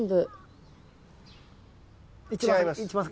違います。